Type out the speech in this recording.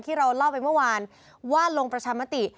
ที่เราเล่าไปเมื่อวานว่าลงประชามติ